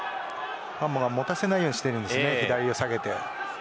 ハンモが持たせないようにしています、左を下げて。